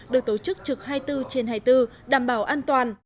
được tổ chức trực hai mươi bốn trên hai mươi bốn đảm bảo an toàn